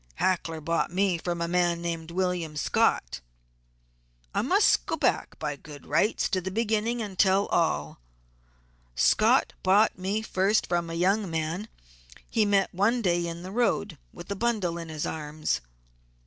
Hackler bought me from a man named William Scott. I must go back by good rights to the beginning and tell all: Scott bought me first from a young man he met one day in the road, with a bundle in his arms.